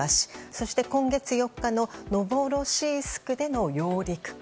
そして今月４日のノボロシースクでの揚陸艦。